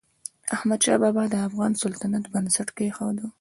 احمدشاه بابا د افغان سلطنت بنسټ کېښود.